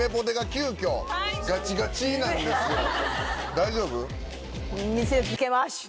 大丈夫？